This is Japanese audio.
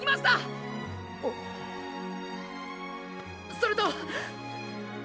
それと。